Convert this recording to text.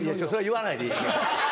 言わないでいい。